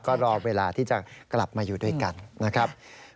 ก็รอเวลาที่จะกลับมาอยู่ด้วยกันนะครับ